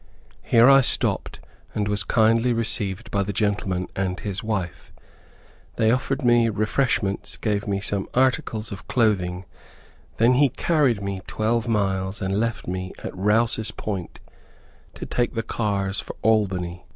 Here I stopped, and was kindly received by the gentleman and his wife. They offered me refreshments, gave me some articles of clothing, and then he carried me twelve miles, and left me at Rouse's Point, to take the cars for Albany.